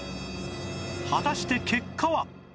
果たして結果は？